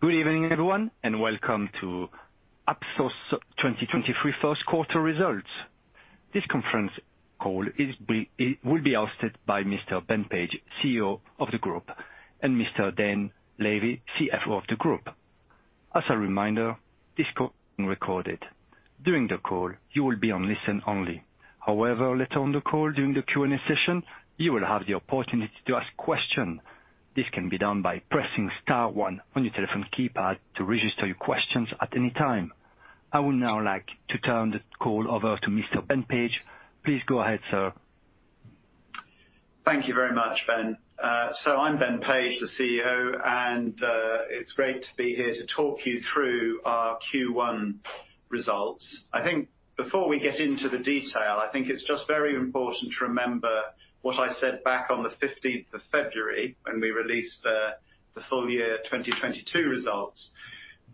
Good evening, everyone, and welcome to Ipsos 2023 first quarter results. This conference call it will be hosted by Mr. Ben Page, CEO of the group, and Mr. Dan Lévy, CFO of the group. As a reminder, this call is being recorded. During the call, you will be on listen only. Later on the call, during the Q&A session, you will have the opportunity to ask question. This can be done by pressing star one on your telephone keypad to register your questions at any time. I would now like to turn the call over to Mr. Ben Page. Please go ahead, sir. Thank you very much, Ben. I'm Ben Page, the CEO, and it's great to be here to talk you through our Q1 results. I think before we get into the detail, I think it's just very important to remember what I said back on the 15th of February when we released the full year 2022 results,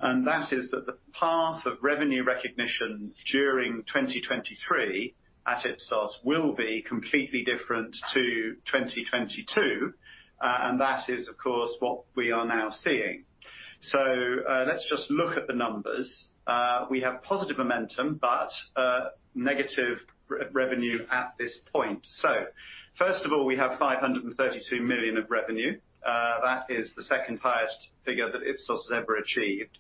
and that is that the path of revenue recognition during 2023 at Ipsos will be completely different to 2022, and that is, of course, what we are now seeing. Let's just look at the numbers. We have positive momentum, but negative re-revenue at this point. First of all, we have 532 million of revenue. That is the second highest figure that Ipsos has ever achieved.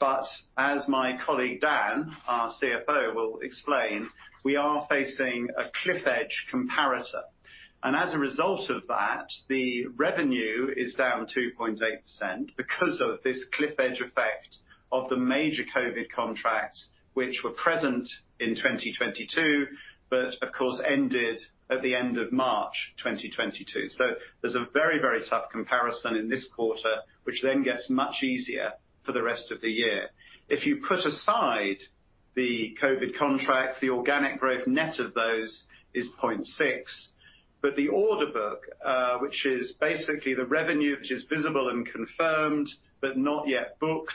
As my colleague Dan, our CFO, will explain, we are facing a cliff edge comparator. As a result of that, the revenue is down 2.8% because of this cliff edge effect of the major COVID contracts, which were present in 2022, but of course ended at the end of March 2022. There's a very, very tough comparison in this quarter, which then gets much easier for the rest of the year. If you put aside the COVID contracts, the organic growth net of those is 0.6%. The order book, which is basically the revenue which is visible and confirmed but not yet booked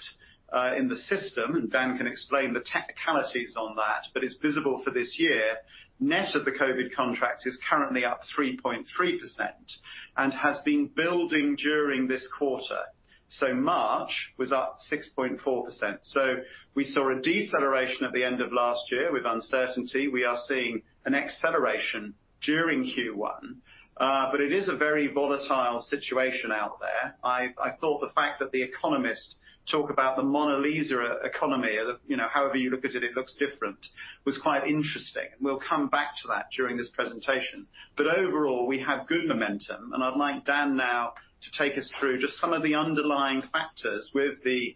in the system, and Dan can explain the technicalities on that, but it's visible for this year. Net of the COVID contracts is currently up 3.3% and has been building during this quarter. March was up 6.4%. We saw a deceleration at the end of last year with uncertainty. We are seeing an acceleration during Q1, but it is a very volatile situation out there. I thought the fact that the economists talk about the Mona Lisa economy, or the, you know, however you look at it looks different, was quite interesting. We'll come back to that during this presentation. Overall, we have good momentum, and I'd like Dan now to take us through just some of the underlying factors with the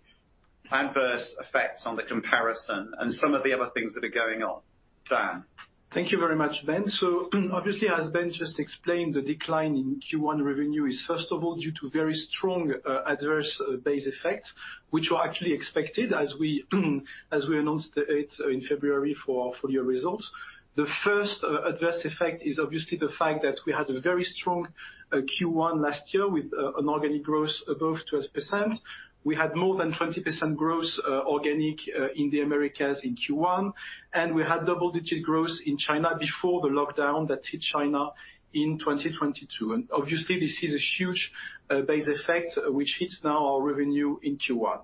adverse effects on the comparison and some of the other things that are going on. Dan. Thank you very much, Ben. Obviously, as Ben just explained, the decline in Q1 revenue is first of all due to very strong adverse base effects, which were actually expected as we announced it in February for our full year results. The first adverse effect is obviously the fact that we had a very strong Q1 last year with an organic growth above 12%. We had more than 20% growth organic in the Americas in Q1, and we had double-digit growth in China before the lockdown that hit China in 2022. Obviously this is a huge base effect which hits now our revenue in Q1.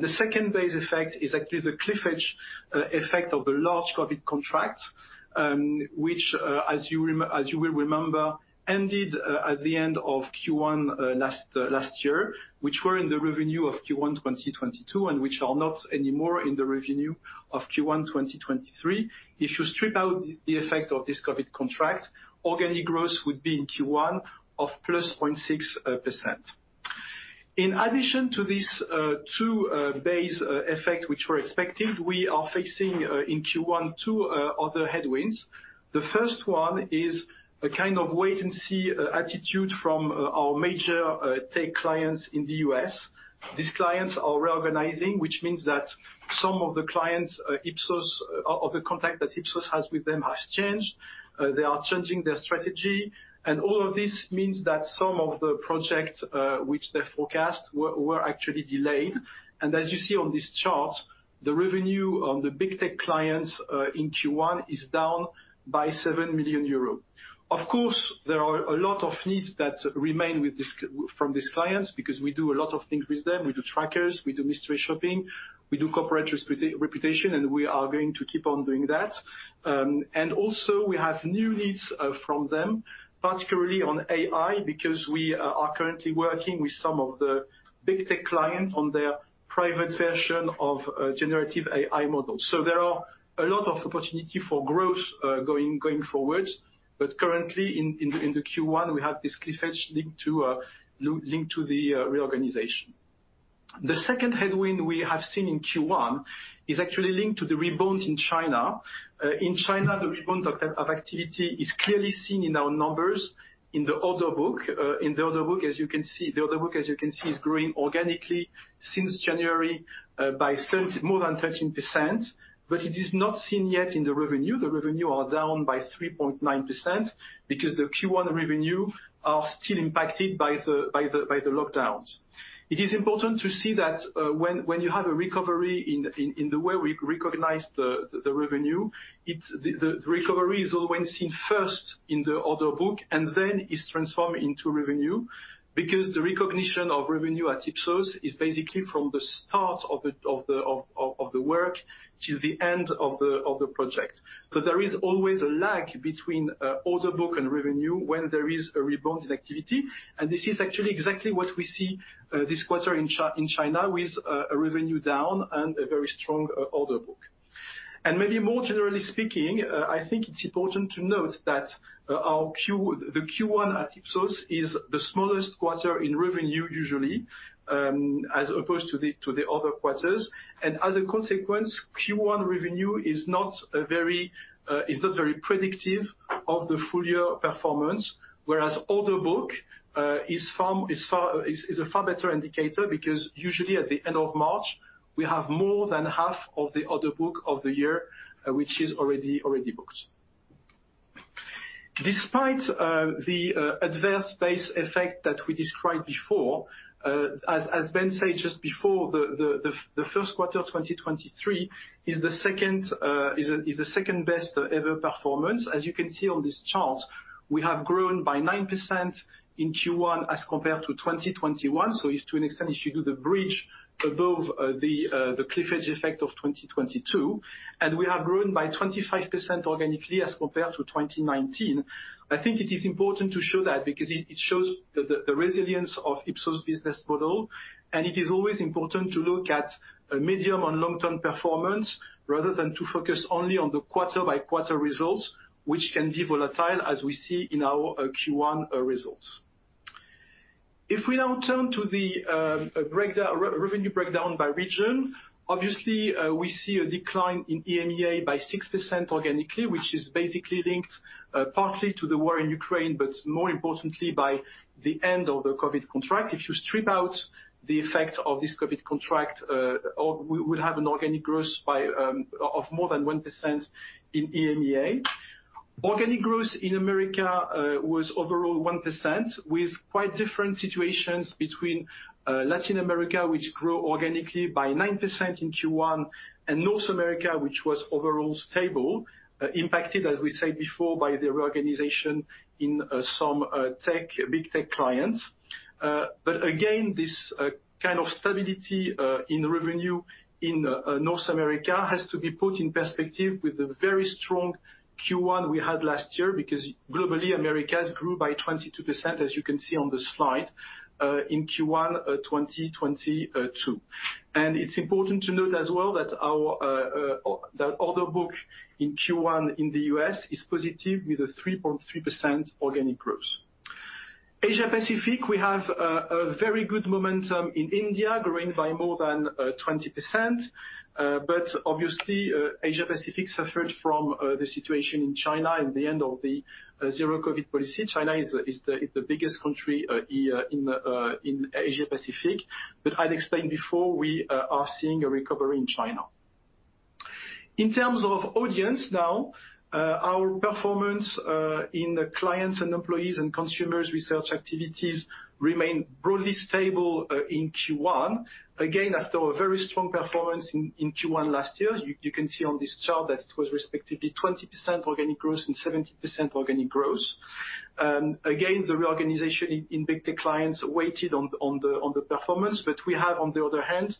The second base effect is actually the cliff edge effect of the large COVID contracts, which as you will remember, ended at the end of Q1 last year, which were in the revenue of Q1 2022, and which are not anymore in the revenue of Q1 2023. If you strip out the effect of this COVID contract, organic growth would be in Q1 of +0.6%. In addition to these two base effect which were expected, we are facing in Q1, two other headwinds. The first one is a kind of wait-and-see attitude from our major tech clients in the U.S. These clients are reorganizing, which means that some of the clients, Ipsos, of the contact that Ipsos has with them has changed. They are changing their strategy. All of this means that some of the projects, which they forecast were actually delayed. As you see on this chart, the revenue on the big tech clients in Q1 is down by 7 million euros. Of course, there are a lot of needs that remain from these clients, because we do a lot of things with them. We do trackers, we do mystery shopping, we do corporate reputation, and we are going to keep on doing that. Also we have new needs from them, particularly on AI, because we are currently working with some of the big tech clients on their private version of generative AI models. There are a lot of opportunity for growth going forward. Currently in the Q1, we have this cliff edge linked to the reorganization. The second headwind we have seen in Q1 is actually linked to the rebound in China. In China, the rebound of that, of activity is clearly seen in our numbers in the order book. In the order book, as you can see, is growing organically since January, by more than 13%, but it is not seen yet in the revenue. The revenue are down by 3.9% because the Q1 revenue are still impacted by the lockdowns. It is important to see that, when you have a recovery in the way we recognize the revenue, the recovery is always seen first in the order book and then is transformed into revenue because the recognition of revenue at Ipsos is basically from the start of the work till the end of the project. There is always a lag between order book and revenue when there is a rebound in activity, and this is actually exactly what we see this quarter in China with a revenue down and a very strong order book. Maybe more generally speaking, I think it's important to note that the Q1 at Ipsos is the smallest quarter in revenue, usually, as opposed to the other quarters. As a consequence, Q1 revenue is not a very, is not very predictive of the full year performance, whereas order book is a far better indicator because usually at the end of March, we have more than half of the order book of the year, which is already booked. Despite the adverse base effect that we described before, as Ben said just before, the first quarter of 2023 is the second-best ever performance. As you can see on this chart, we have grown by 9% in Q1 as compared to 2021. If to an extent, if you do the bridge above the cliff edge effect of 2022, we have grown by 25% organically as compared to 2019. I think it is important to show that because it shows the resilience of Ipsos business model, it is always important to look at a medium and long-term performance rather than to focus only on the quarter-by-quarter results, which can be volatile as we see in our Q1 results. If we now turn to the breakdown, revenue breakdown by region, obviously, we see a decline in EMEA by 6% organically, which is basically linked partly to the war in Ukraine, but more importantly by the end of the COVID contract. If you strip out the effect of this COVID contract, or we'll have an organic growth by of more than 1% in EMEA. Organic growth in America was overall 1%, with quite different situations between Latin America, which grew organically by 9% in Q1, and North America, which was overall stable, impacted, as we said before, by the reorganization in some big tech clients. But again, this kind of stability in revenue in North America has to be put in perspective with the very strong Q1 we had last year, because globally, Americas grew by 22%, as you can see on the slide, in Q1 2022. It's important to note as well that our the order book in Q1 in the U.S. is positive with a 3.3% organic growth. Asia Pacific, we have a very good momentum in India, growing by more than 20%. But obviously, Asia Pacific suffered from the situation in China and the end of the zero COVID policy. China is the biggest country here in Asia Pacific. I'd explained before, we are seeing a recovery in China. In terms of audience now, our performance in the clients and employees and consumers research activities remain broadly stable in Q1. Again, after a very strong performance in Q1 last year, you can see on this chart that it was respectively 20% organic growth and 17% organic growth. Again, the reorganization in big tech clients waited on the performance. We have, on the other hand,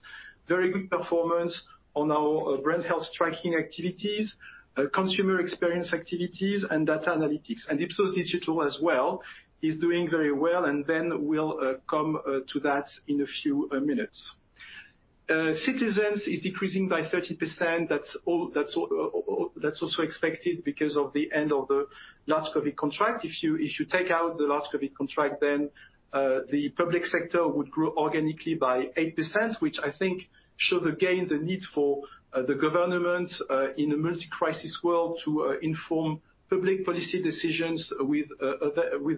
very good performance on our Brand Health Tracking activities, consumer experience activities, and data analytics. Ipsos.Digital as well is doing very well, and Ben will come to that in a few minutes. Citizens is decreasing by 30%. That's also expected because of the end of the last COVID contract. If you take out the last COVID contract, then the public sector would grow organically by 8%, which I think shows again the need for the government in a multi-crisis world to inform public policy decisions with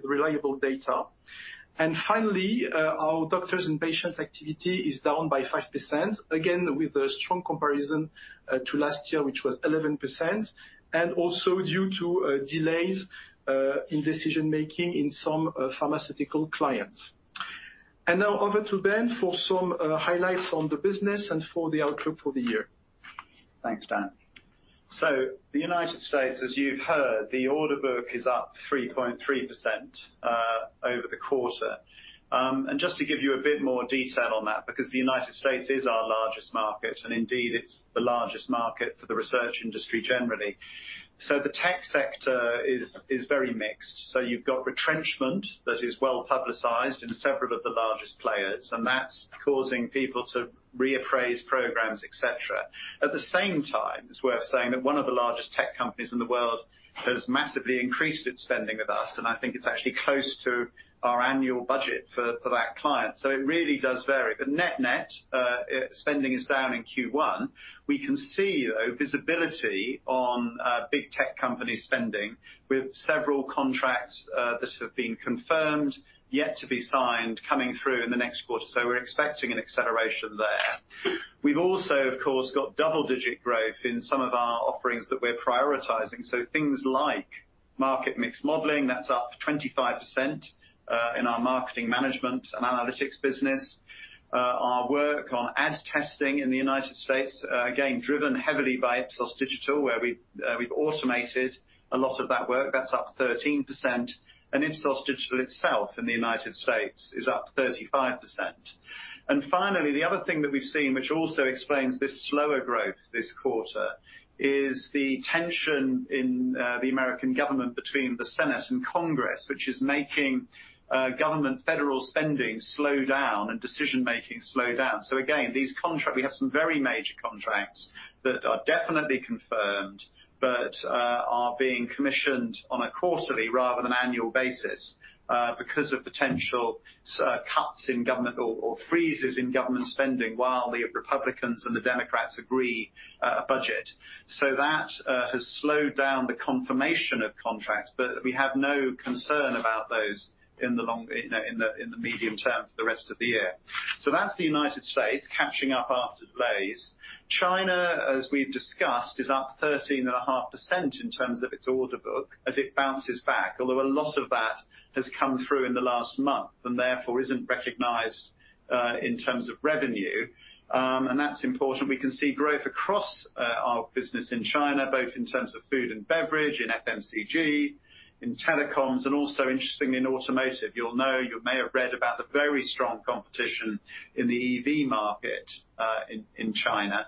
reliable data. Finally, our doctors and patients activity is down by 5%, again, with a strong comparison to last year, which was 11%, and also due to delays in decision-making in some pharmaceutical clients. Now over to Ben for some highlights on the business and for the outlook for the year. Thanks, Dan. The United States, as you've heard, the order book is up 3.3% over the quarter. Just to give you a bit more detail on that, because the United States is our largest market, and indeed it's the largest market for the research industry generally. The tech sector is very mixed. You've got retrenchment that is well-publicized in several of the largest players, and that's causing people to reappraise programs, et cetera. At the same time, it's worth saying that one of the largest tech companies in the world has massively increased its spending with us, and I think it's actually close to our annual budget for that client. It really does vary. Net-net, spending is down in Q1. We can see, though, visibility on big tech companies spending with several contracts that have been confirmed, yet to be signed, coming through in the next quarter. We're expecting an acceleration there. We've also, of course, got double-digit growth in some of our offerings that we're prioritizing. Things like market mix modeling, that's up 25% in our marketing management and analytics business. Our work on ad testing in the United States, again, driven heavily by Ipsos.Digital, where we've automated a lot of that work. That's up 13%. Ipsos.Digital itself in the United States is up 35%. Finally, the other thing that we've seen, which also explains this slower growth this quarter, is the tension in the American government between the Senate and Congress, which is making government federal spending slow down and decision-making slow down. Again, these very major contracts that are definitely confirmed, but are being commissioned on a quarterly rather than annual basis because of potential cuts in government or freezes in government spending while the Republicans and the Democrats agree a budget. That has slowed down the confirmation of contracts, but we have no concern about those in the medium term for the rest of the year. That's the United States catching up after delays. China, as we've discussed, is up 13.5% in terms of its order book as it bounces back. Although a lot of that has come through in the last month, and therefore, isn't recognized in terms of revenue. That's important. We can see growth across our business in China, both in terms of food and beverage, in FMCG, in telecoms, and also interestingly, in automotive. You'll know, you may have read about the very strong competition in the EV market in China,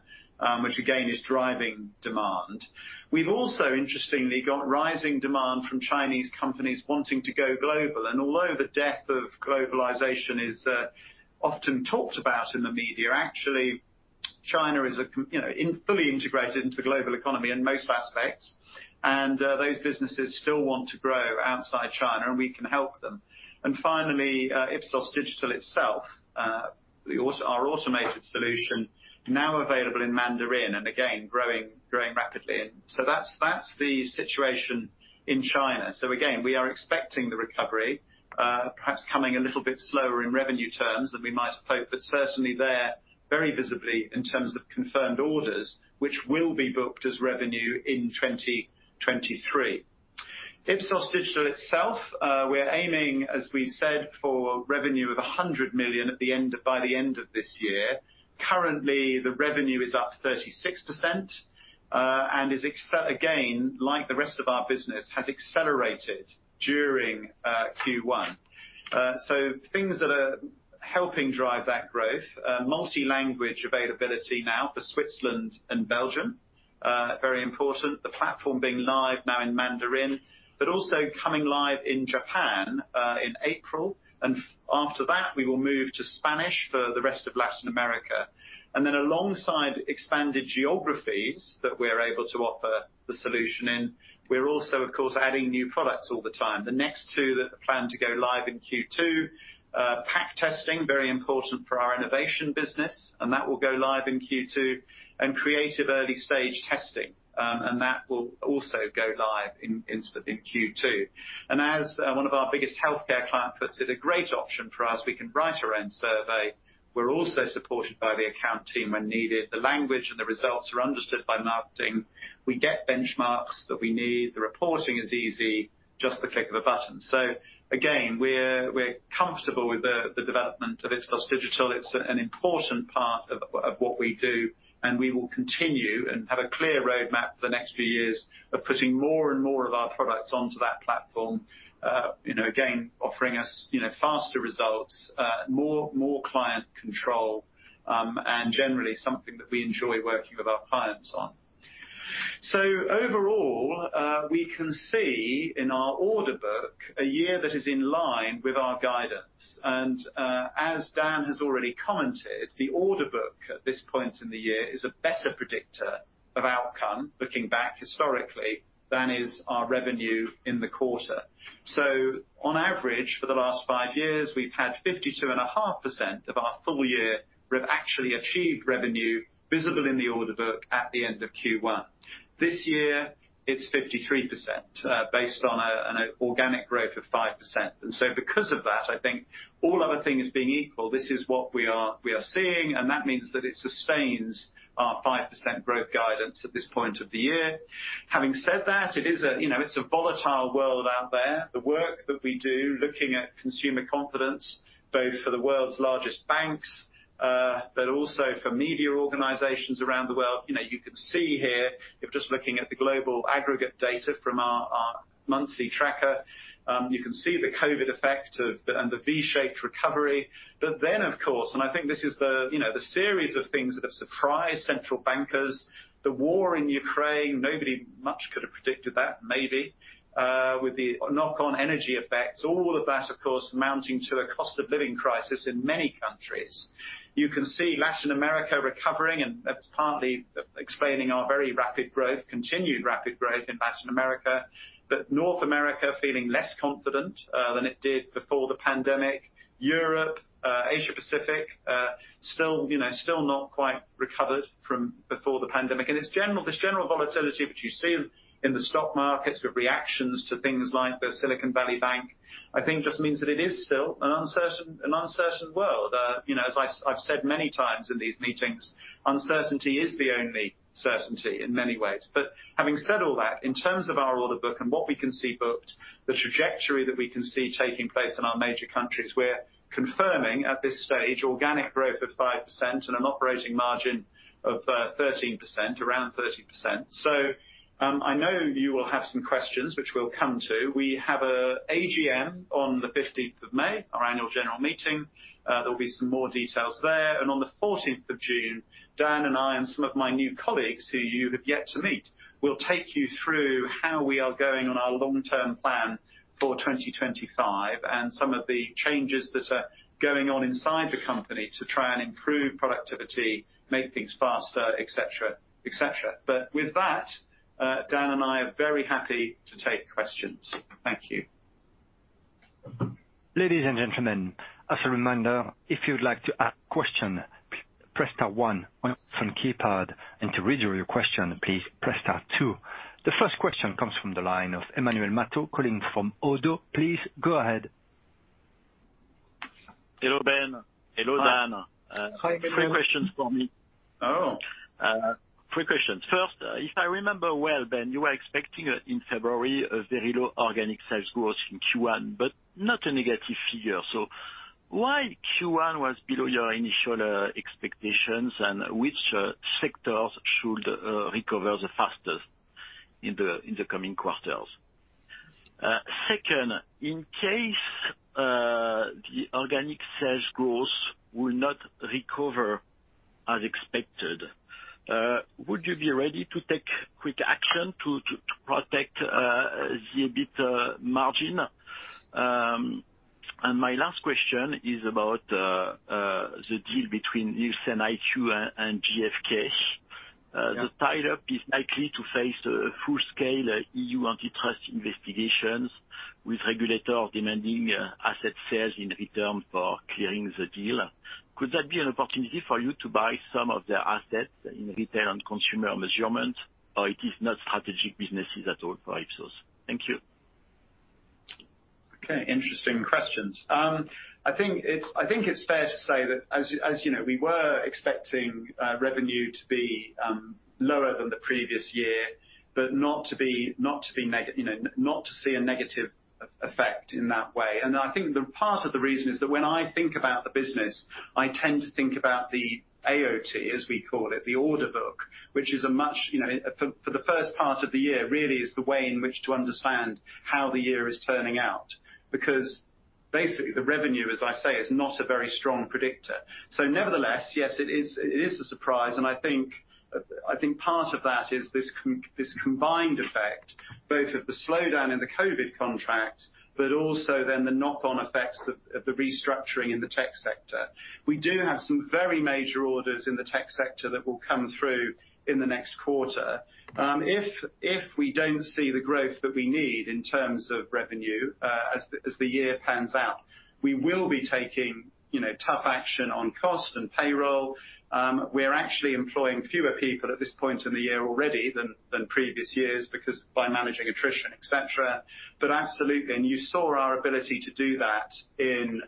which again, is driving demand. We've also interestingly got rising demand from Chinese companies wanting to go global. Although the death of globalization is often talked about in the media, actually, China is a fully integrated into global economy in most aspects. Those businesses still want to grow outside China, and we can help them. Finally, Ipsos.Digital itself, our automated solution now available in Mandarin, and again, growing rapidly. That's the situation in China. Again, we are expecting the recovery, perhaps coming a little bit slower in revenue terms than we might hope, but certainly there very visibly in terms of confirmed orders, which will be booked as revenue in 2023. Ipsos.Digital itself, we're aiming, as we said, for revenue of 100 million by the end of this year. Currently, the revenue is up 36%, and is again, like the rest of our business, has accelerated during Q1. Things that are helping drive that growth, multi-language availability now for Switzerland and Belgium, very important. The platform being live now in Mandarin, but also coming live in Japan, in April. After that, we will move to Spanish for the rest of Latin America. Alongside expanded geographies that we're able to offer the solution in, we're also, of course, adding new products all the time. The next two that are planned to go live in Q2, pack testing, very important for our innovation business, and that will go live in Q2, and creative early-stage testing, and that will also go live in Q2. As one of our biggest healthcare client puts it, a great option for us, we can write our own survey. We're also supported by the account team when needed. The language and the results are understood by marketing. We get benchmarks that we need. The reporting is easy, just the click of a button. Again, we're comfortable with the development of Ipsos.Digital. It's an important part of what we do, and we will continue and have a clear roadmap for the next few years of putting more and more of our products onto that platform, you know, again, offering us, you know, faster results, more client control, and generally something that we enjoy working with our clients on. Overall, we can see in our order book a year that is in line with our guidance. As Dan has already commented, the order book at this point in the year is a better predictor of outcome looking back historically than is our revenue in the quarter. On average, for the last 5 years, we've had 52.5% of our full year actually achieved revenue visible in the order book at the end of Q1. This year, it's 53%, based on an organic growth of 5%. Because of that, I think all other things being equal, this is what we are seeing, and that means that it sustains our 5% growth guidance at this point of the year. Having said that, it is, you know, it's a volatile world out there. The work that we do, looking at consumer confidence, both for the world's largest banks, but also for media organizations around the world. You know, you can see here, if just looking at the global aggregate data from our monthly tracker, you can see the COVID effect of and the V-shaped recovery. Then, of course, and I think this is the, you know, the series of things that have surprised central bankers, the war in Ukraine, nobody much could have predicted that, maybe, with the knock-on energy effects. All of that, of course, mounting to a cost of living crisis in many countries. You can see Latin America recovering, and that's partly explaining our very rapid growth, continued rapid growth in Latin America. North America feeling less confident than it did before the pandemic. Europe, Asia Pacific, still, you know, still not quite recovered from before the pandemic. It's this general volatility which you see in the stock markets, the reactions to things like the Silicon Valley Bank, I think just means that it is still an uncertain world. You know, as I've said many times in these meetings, uncertainty is the only certainty in many ways. Having said all that, in terms of our order book and what we can see booked, the trajectory that we can see taking place in our major countries, we're confirming at this stage organic growth of 5% and an operating margin of 13%, around 13%. I know you will have some questions which we'll come to. We have a AGM on the 15th of May, our annual general meeting. There'll be some more details there. On the 14th of June, Dan and I and some of my new colleagues who you have yet to meet. We'll take you through how we are going on our long-term plan for 2025 and some of the changes that are going on inside the company to try and improve productivity, make things faster, et cetera, et cetera. With that, Dan and I are very happy to take questions. Thank you. Ladies and gentlemen, as a reminder, if you'd like to ask question, press star one on your phone keypad. To withdraw your question, please press star two. The first question comes from the line of Emmanuel Matot calling from ODDO. Please go ahead. Hello, Ben. Hello, Dan. Hi. Hi. Three questions for me. Oh. Three questions. First, if I remember well, Ben, you were expecting in February a very low organic sales growth in Q1, but not a negative figure. Why Q1 was below your initial expectations? Which sectors should recover the fastest in the coming quarters? Second, in case the organic sales growth will not recover as expected, would you be ready to take quick action to protect the EBIT margin? My last question is about the deal between NielsenIQ and GfK. Yeah. The tie-up is likely to face a full-scale EU antitrust investigations with regulators demanding asset sales in return for clearing the deal. Could that be an opportunity for you to buy some of their assets in retail and consumer measurement, or it is not strategic businesses at all for Ipsos? Thank you. Okay. Interesting questions. I think it's, I think it's fair to say that as you know, we were expecting revenue to be lower than the previous year, but not to be, you know, not to see a negative effect in that way. I think the part of the reason is that when I think about the business, I tend to think about the AOT, as we call it, the order book, which is a much, you know, for the first part of the year, really is the way in which to understand how the year is turning out. Because basically the revenue, as I say, is not a very strong predictor. Nevertheless, yes, it is a surprise, and I think part of that is this combined effect both of the slowdown in the COVID contracts, but also then the knock-on effects of the restructuring in the tech sector. We do have some very major orders in the tech sector that will come through in the next quarter. If we don't see the growth that we need in terms of revenue, as the year pans out, we will be taking, you know, tough action on cost and payroll. We're actually employing fewer people at this point in the year already than previous years because by managing attrition, et cetera. Absolutely. You saw our ability to do that in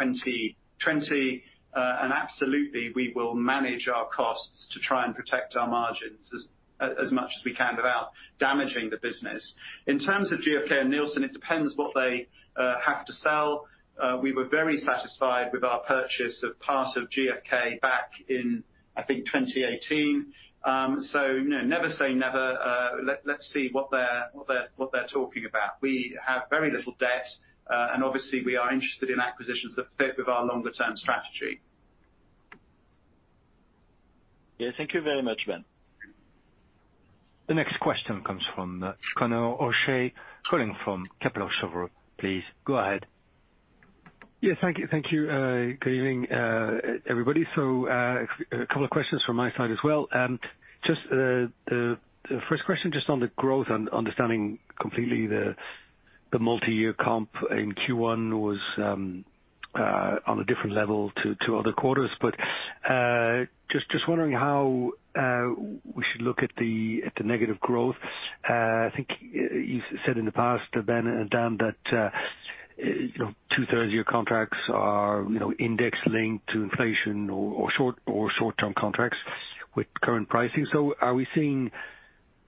2020. Absolutely, we will manage our costs to try and protect our margins as much as we can without damaging the business. In terms of GfK and Nielsen, it depends what they have to sell. We were very satisfied with our purchase of part of GfK back in, I think, 2018. You know, never say never. Let's see what they're talking about. We have very little debt, and obviously we are interested in acquisitions that fit with our longer-term strategy. Yeah. Thank you very much, Ben. The next question comes from Conor O'Shea, calling from Kepler Cheuvreux. Please go ahead. Yeah. Thank you. Thank you. Good evening, everybody. A couple of questions from my side as well. Just the first question just on the growth and understanding completely the multi-year comp in Q1 was on a different level to other quarters. Just wondering how we should look at the negative growth. I think you've said in the past, Ben and Dan, that, you know, two-thirds of your contracts are, you know, index-linked to inflation or short, or short-term contracts with current pricing. Are we seeing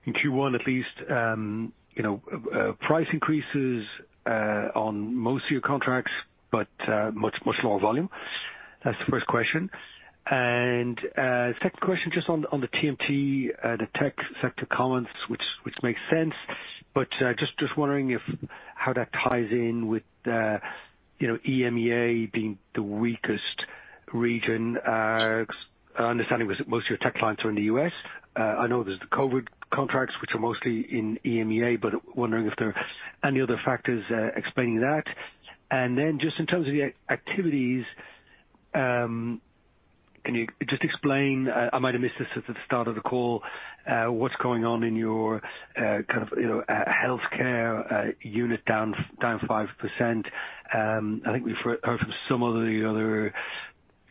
in Q1 at least, you know, price increases on most of your contracts but much lower volume? That's the first question. Second question just on the TMT, the tech sector comments which makes sense, just wondering if, how that ties in with, you know, EMEA being the weakest region. Understanding was most of your tech clients are in the US. I know there's the COVID contracts which are mostly in EMEA, wondering if there are any other factors explaining that. Just in terms of the activities, can you just explain, I might have missed this at the start of the call, what's going on in your kind of, you know, healthcare unit down 5%. I think we've heard from some of the other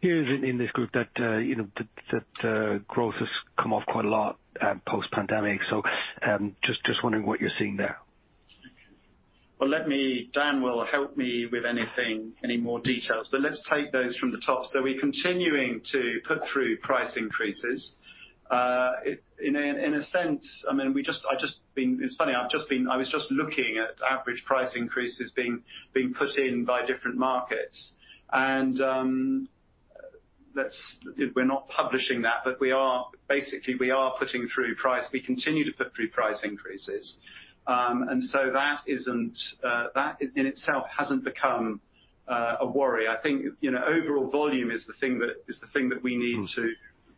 peers in this group that, you know, that growth has come off quite a lot post-pandemic. just wondering what you're seeing there. Well, Dan will help me with anything, any more details, but let's take those from the top. We're continuing to put through price increases. In a sense, I mean, we just, it's funny, I've just been, I was just looking at average price increases being put in by different markets. We're not publishing that, but we are basically putting through price. We continue to put through price increases. That in itself hasn't become a worry. I think, you know, overall volume is the thing that we need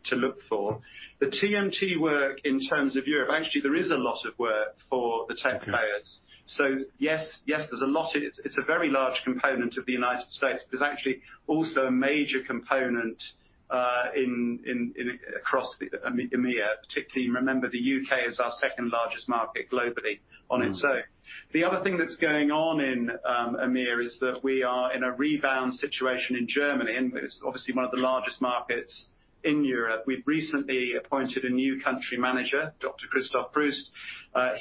to look for. The TMT work in terms of Europe, actually, there is a lot of work for the tech players. Okay. Yes. Yes, there's a lot. It's a very large component of the United States. There's actually also a major component in across EMEA. Particularly, remember, the UK is our second largest market globally on its own. The other thing that's going on in EMEA is that we are in a rebound situation in Germany, and it's obviously one of the largest markets in Europe. We've recently appointed a new country manager, Dr Christoph Preuß.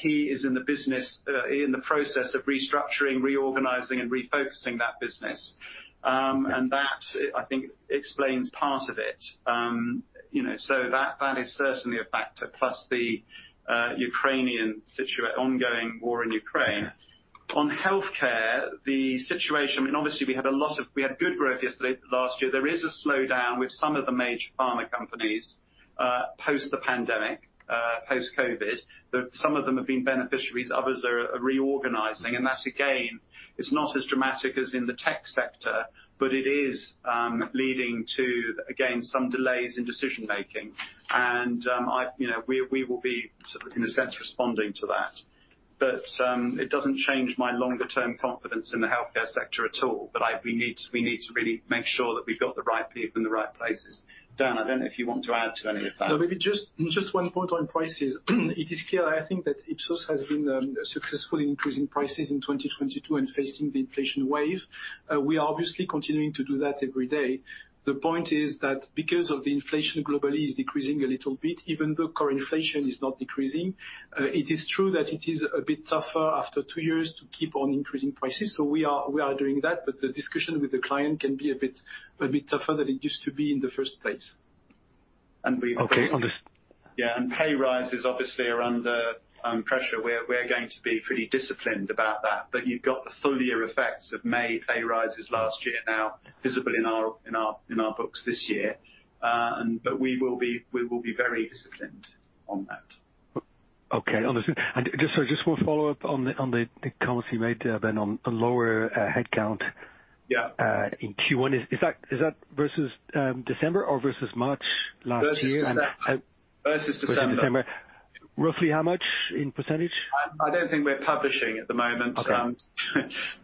He is in the business in the process of restructuring, reorganizing and refocusing that business. That I think explains part of it. You know, that is certainly a factor, plus the ongoing war in Ukraine. On healthcare, the situation, I mean, obviously we had good growth yesterday, last year. There is a slowdown with some of the major pharma companies, post the pandemic, post COVID. Some of them have been beneficiaries, others are reorganizing. That, again, is not as dramatic as in the tech sector, but it is leading to, again, some delays in decision making. You know, we will be sort of, in a sense, responding to that. It doesn't change my longer term confidence in the healthcare sector at all. We need to really make sure that we've got the right people in the right places. Dan, I don't know if you want to add to any of that. No, maybe just one point on prices. It is clear, I think that Ipsos has been successful in increasing prices in 2022 and facing the inflation wave. We are obviously continuing to do that every day. The point is that because of the inflation globally is decreasing a little bit, even though core inflation is not decreasing, it is true that it is a bit tougher after 2 years to keep on increasing prices. We are doing that. The discussion with the client can be a bit tougher than it used to be in the first place. And we- Okay. Yeah, pay rises obviously are under pressure. We're going to be pretty disciplined about that. You've got the full year effects of May pay rises last year now visible in our books this year. We will be very disciplined on that. Okay, understood. Just, sorry, just one follow-up on the, on the comments you made, Ben, on a lower headcount. Yeah in Q1. Is that versus December or versus March last year? Versus December. Versus December. Roughly how much in percentage? I don't think we're publishing at the moment. Okay.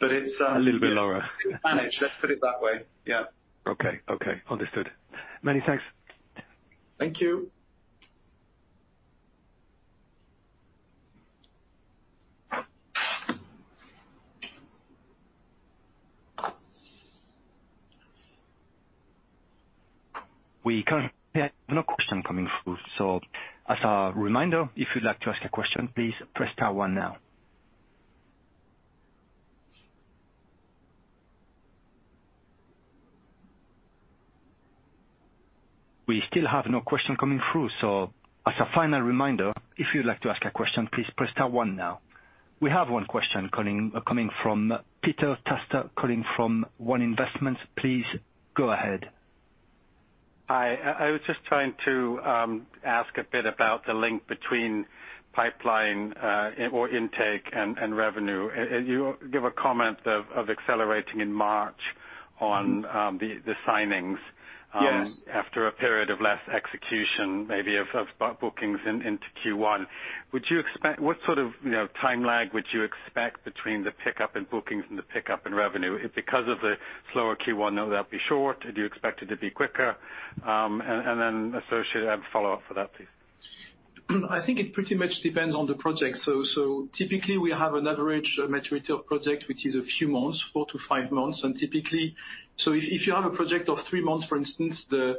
it's. A little bit lower managed, let's put it that way. Yeah. Okay. Okay. Understood. Many thanks. Thank you. We currently have no question coming through, so as a reminder, if you'd like to ask a question, please press star one now. We still have no question coming through, so as a final reminder, if you'd like to ask a question, please press star one now. We have one question calling, coming from Peter Testa, calling from One Investments. Please go ahead. Hi. I was just trying to ask a bit about the link between pipeline, or intake and revenue. You give a comment of accelerating in March on the signings. Yes... after a period of less execution, maybe of bookings into Q1. What sort of, you know, time lag would you expect between the pickup in bookings and the pickup in revenue? Because of the slower Q1, will that be short? Do you expect it to be quicker? Associated, I have a follow-up for that, please. I think it pretty much depends on the project. Typically, we have an average maturity of project, which is a few months, four to five months. Typically, if you have a project of three months, for instance, the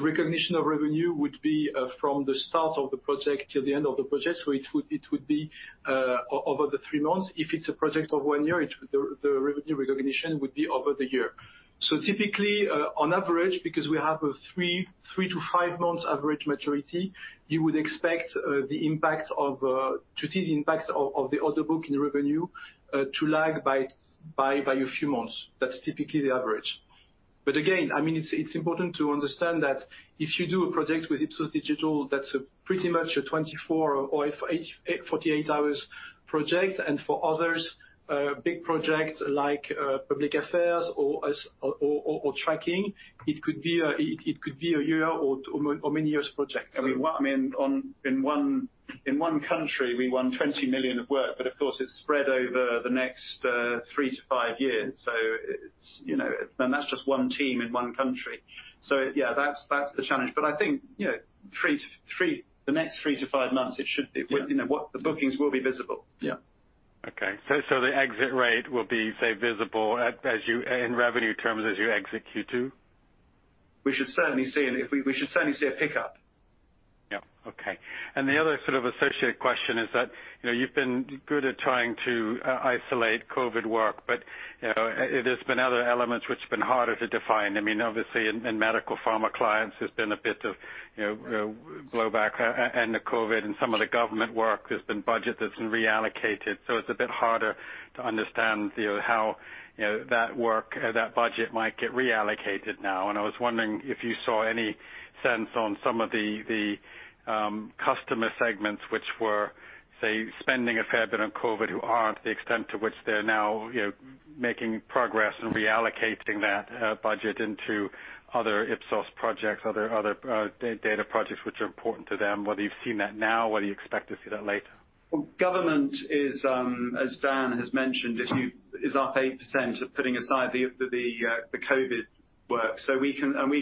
recognition of revenue would be from the start of the project till the end of the project. It would be over the three months. If it's a project of one year, it would the revenue recognition would be over the year. Typically, on average, because we have a three to five months average maturity, you would expect to see the impact of the order book in revenue to lag by a few months. That's typically the average. Again, I mean, it's important to understand that if you do a project with Ipsos.Digital, that's pretty much a 24 or 48 hours project. For others, big projects like public affairs or tracking, it could be a year or many years project. I mean, in one country, we won 20 million of work, but of course it's spread over the next three to five years. It's, you know. That's just one team in one country. Yeah, that's the challenge. I think, you know, the next three to five months, it should be. Yeah. You know, the bookings will be visible. Yeah. Okay. The exit rate will be, say, visible as you, in revenue terms, as you exit Q2? We should certainly see a pickup. Yeah. Okay. The other sort of associated question is that, you know, you've been good at trying to isolate COVID work, but, you know, there's been other elements which have been harder to define. I mean, obviously in medical pharma clients, there's been a bit of, you know, blow back and the COVID and some of the government work, there's been budget that's been reallocated. It's a bit harder to understand, you know, how, you know, that work, that budget might get reallocated now. I was wondering if you saw any sense on some of the customer segments which were spending a fair bit on COVID who aren't, the extent to which they're now, you know, making progress and reallocating that budget into other Ipsos projects, other data projects which are important to them, whether you've seen that now, whether you expect to see that later. Government is, as Dan Lévy has mentioned, is up 8% putting aside the COVID work. We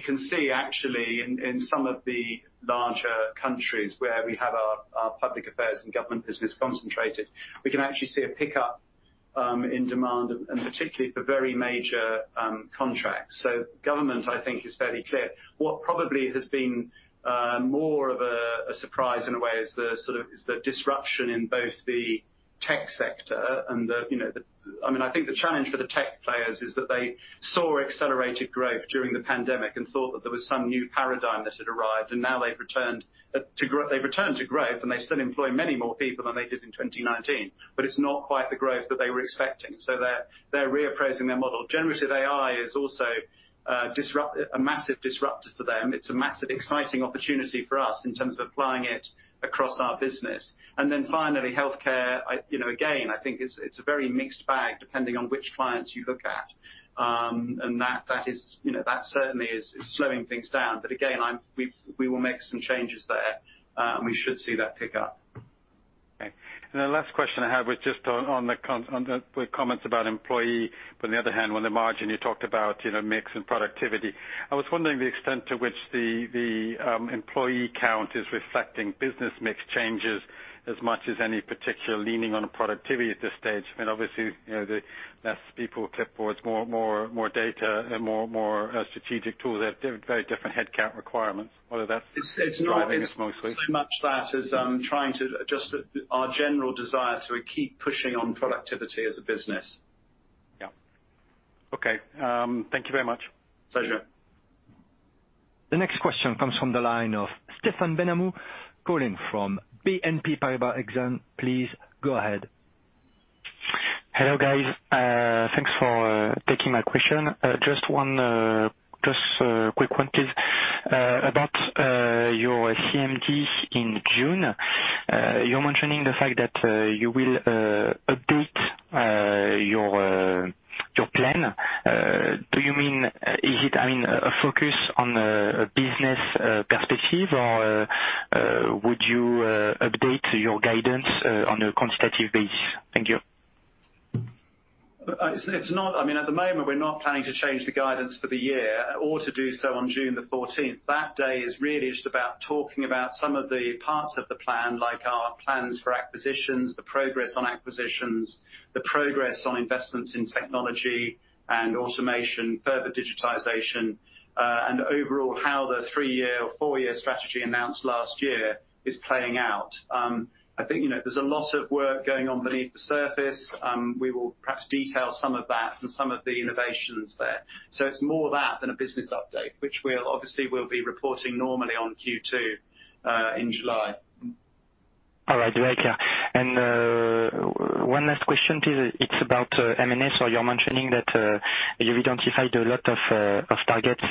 can see actually in some of the larger countries where we have our public affairs and government business concentrated, we can actually see a pickup in demand and particularly for very major contracts. Government, I think, is fairly clear. What probably has been more of a surprise in a way is the sort of disruption in both the tech sector and the, you know, the... I mean, I think the challenge for the tech players is that they saw accelerated growth during the pandemic and thought that there was some new paradigm that had arrived, and now they've returned to growth and they still employ many more people than they did in 2019, but it's not quite the growth that they were expecting, so they're reappraising their model. Generative AI is also a massive disruptor for them. It's a massive exciting opportunity for us in terms of applying it across our business. Finally, healthcare, I, you know, again, I think it's a very mixed bag depending on which clients you look at. That is, you know, that certainly is slowing things down. again, we will make some changes there, and we should see that pick up. Okay. The last question I have was just on the comments about employee, but on the other hand, on the margin you talked about, you know, mix and productivity. I was wondering the extent to which the employee count is reflecting business mix changes as much as any particular leaning on productivity at this stage. I mean, obviously, you know, the less people, clip boards, more data and more strategic tools have very different headcount requirements. Whether that's driving it mostly. It's not so much that as, trying to adjust our general desire to keep pushing on productivity as a business. Yeah. Okay. Thank you very much. Pleasure. The next question comes from the line of Stephen Benhamou, calling from BNP Paribas Exane. Please go ahead. Hello, guys. Thanks for taking my question. Just one, just quick one, please. About your CMD in June, you're mentioning the fact that you will update your plan. Do you mean, is it, I mean, a focus on a business perspective? Or would you update your guidance on a quantitative basis? Thank you. It's not, I mean, at the moment, we're not planning to change the guidance for the year or to do so on June 14th. That day is really just about talking about some of the parts of the plan, like our plans for acquisitions, the progress on acquisitions, the progress on investments in technology and automation, further digitization, and overall how the three-year or four-year strategy announced last year is playing out. I think, you know, there's a lot of work going on beneath the surface. We will perhaps detail some of that and some of the innovations there. It's more that than a business update, which we'll obviously be reporting normally on Q2 in July. All right. Very clear. One last question, please. It's about M&A. You're mentioning that you've identified a lot of targets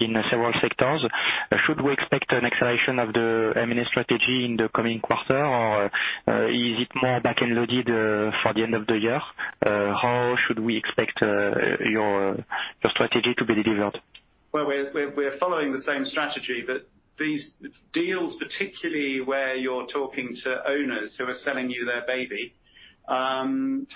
in several sectors. Should we expect an acceleration of the M&A strategy in the coming quarter? Is it more back-ended loaded for the end of the year? How should we expect your strategy to be delivered? Well, we're following the same strategy, but these deals, particularly where you're talking to owners who are selling you their baby, can,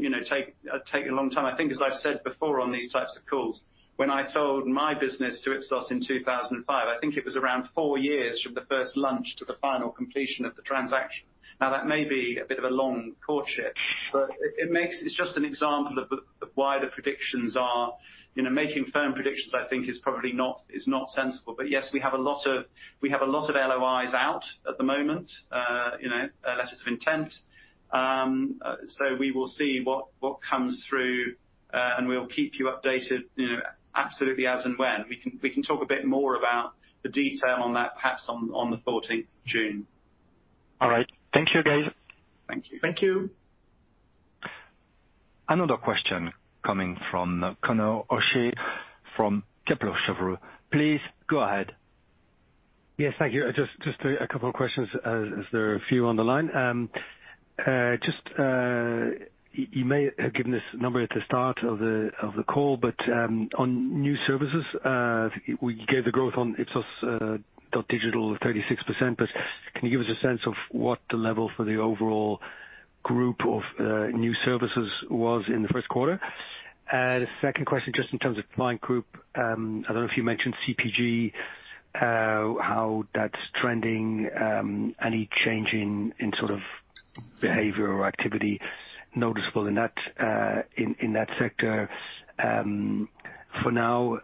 you know, take a long time. I think, as I've said before on these types of calls, when I sold my business to Ipsos in 2005, I think it was around 4 years from the first launch to the final completion of the transaction. Now that may be a bit of a long courtship, but it makes. It's just an example of the, of why the predictions are, you know, making firm predictions I think is probably not sensible. Yes, we have a lot of LOIs out at the moment, you know, letters of intent. We will see what comes through, and we'll keep you updated, you know, absolutely as and when. We can talk a bit more about the detail on that perhaps on the 14th of June. All right. Thank you, guys. Thank you. Thank you. Another question coming from Conor O'Shea from Kepler Cheuvreux. Please go ahead. Yes, thank you. Just a couple of questions as there are a few on the line. Just, you may have given this number at the start of the call, but on new services, we gave the growth on Ipsos.Digital of 36%. Can you give us a sense of what the level for the overall group of new services was in the first quarter? The second question, just in terms of client group, I don't know if you mentioned CPG, how that's trending, any change in sort of behavior or activity noticeable in that sector for now?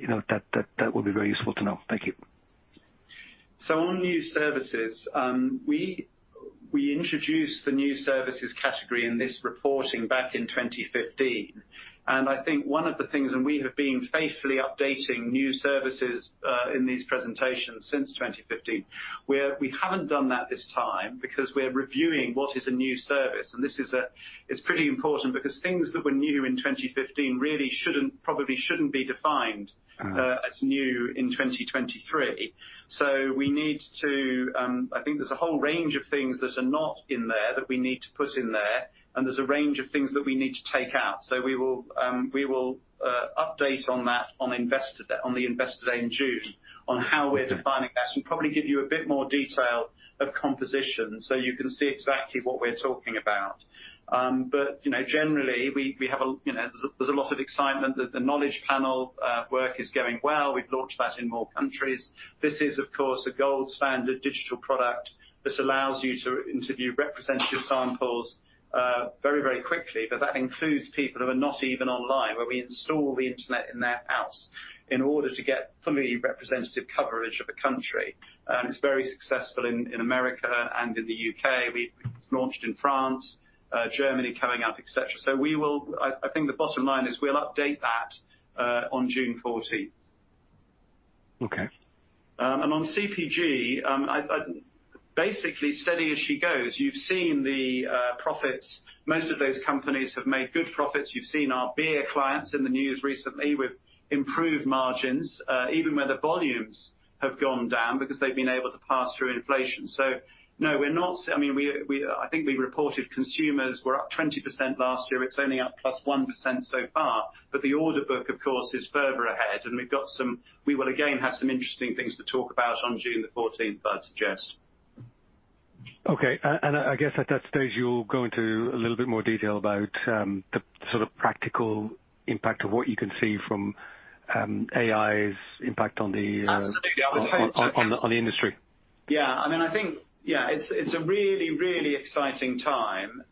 You know, that would be very useful to know. Thank you. On new services, we introduced the new services category in this reporting back in 2015. I think one of the things, and we have been faithfully updating new services in these presentations since 2015. We haven't done that this time because we're reviewing what is a new service. This is, it's pretty important because things that were new in 2015 really shouldn't, probably shouldn't be defined. Mm-hmm. as new in 2023. We need to, I think there's a whole range of things that are not in there that we need to put in there, and there's a range of things that we need to take out. We will update on that on the Investor Day in June on how we're. Okay. Defining that, and probably give you a bit more detail of composition, so you can see exactly what we're talking about. You know, generally, we have a, you know, there's a, there's a lot of excitement. The KnowledgePanel work is going well. We've launched that in more countries. This is, of course, a gold standard digital product that allows you to interview representative samples very, very quickly. That includes people who are not even online, where we install the internet in their house in order to get fully representative coverage of a country. It's very successful in America and in the UK. It's launched in France, Germany coming up, et cetera. We will. I think the bottom line is we'll update that on June 14th. Okay. Basically, steady as she goes. You've seen the profits. Most of those companies have made good profits. You've seen our beer clients in the news recently with improved margins, even where the volumes have gone down because they've been able to pass through inflation. I mean, I think we reported consumers were up 20% last year. It's only up +1% so far, the order book, of course, is further ahead, we will again have some interesting things to talk about on June 14th, I'd suggest. Okay. I guess at that stage you'll go into a little bit more detail about, the sort of practical impact of what you can see from, AI's impact on the... Absolutely. on the industry. I mean, I think, it's a really, really exciting time.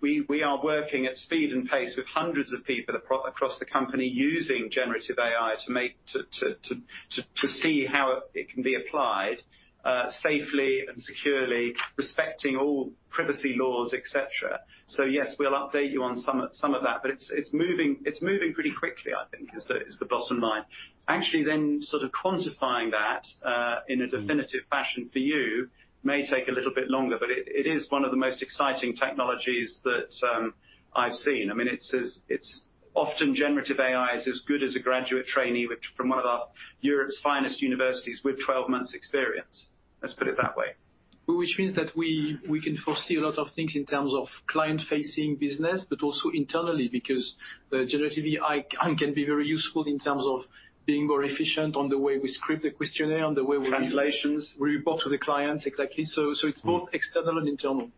We are working at speed and pace with hundreds of people across the company using generative AI to see how it can be applied safely and securely, respecting all privacy laws, et cetera. Yes, we'll update you on some of that, but it's moving pretty quickly, I think, is the bottom line. Actually, sort of quantifying that in a definitive fashion for you may take a little bit longer, but it is one of the most exciting technologies that I've seen. I mean, Often generative AI is as good as a graduate trainee, which from one of our Europe's finest universities with 12 months experience. Let's put it that way. Means that we can foresee a lot of things in terms of client-facing business, but also internally, because generative AI can be very useful in terms of being more efficient on the way we script the questionnaire, on the way. Translations. report to the clients. Exactly. It's both external and internal.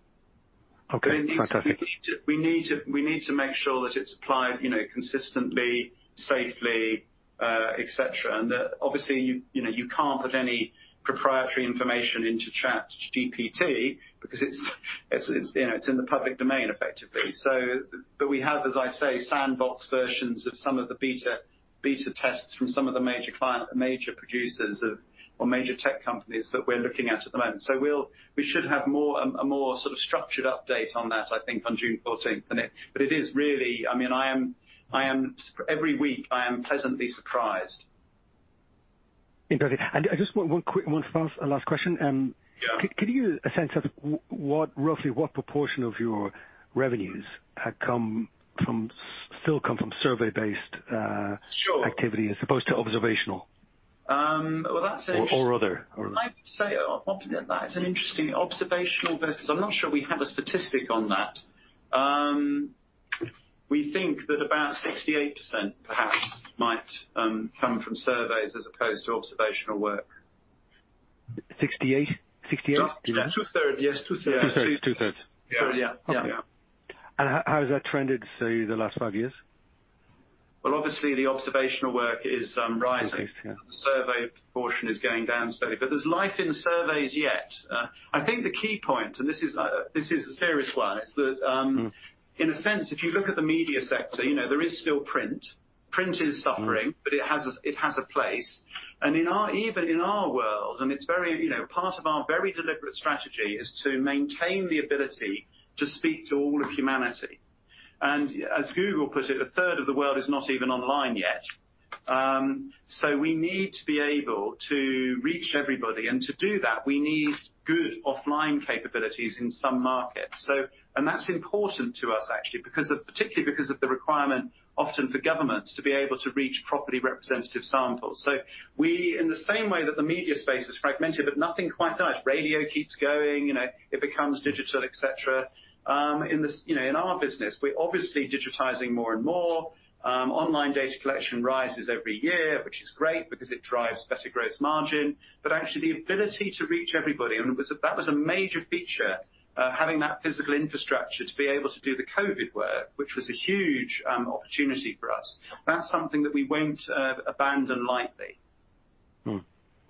Okay. Fantastic. It needs to be. We need to make sure that it's applied, you know, consistently, safely, et cetera. That, obviously, you know, you can't put any proprietary information into ChatGPT because it's, you know, it's in the public domain effectively. We have, as I say, sandbox versions of some of the beta tests from some of the major producers of, or major tech companies that we're looking at at the moment. We should have more, a more sort of structured update on that, I think, on June 14th. It is really. I mean, I am, every week, I am pleasantly surprised. Interesting. I just one quick, one fast last question? Yeah. Can you a sense of what, roughly what proportion of your revenues had come from, still come from survey-based? Sure. activity as opposed to observational? Well, that's. Other. Or other. I'd say often that is an interesting observational versus. I'm not sure we have a statistic on that. We think that about 68% perhaps might come from surveys as opposed to observational work. 68? 68? Just 2/3. Yes, 2/3. Two thirds. Two thirds. Yeah. Yeah. Yeah. Okay. How has that trended say the last five years? obviously the observational work is rising. Okay. Yeah. The survey portion is going down slowly. There's life in surveys yet. I think the key point, and this is, this is a serious one, it's that. Mm-hmm. In a sense, if you look at the media sector, you know, there is still print. Print is suffering. Mm-hmm. But it has a place. In our, even in our world, and it's very, you know, part of our very deliberate strategy is to maintain the ability to speak to all of humanity. As Google put it, a third of the world is not even online yet. We need to be able to reach everybody, and to do that, we need good offline capabilities in some markets. That's important to us actually because of, particularly because of the requirement often for governments to be able to reach properly representative samples. We, in the same way that the media space is fragmented, but nothing quite dies. Radio keeps going, you know. It becomes digital, et cetera. In this, you know, in our business, we're obviously digitizing more and more. Online data collection rises every year, which is great because it drives better gross margin. Actually the ability to reach everybody, and that was a major feature, having that physical infrastructure to be able to do the COVID work, which was a huge opportunity for us. That's something that we won't abandon lightly.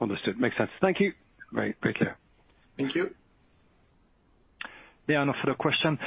Understood. Makes sense. Thank you. Great. Great clear. Thank you. Yeah, no further questions.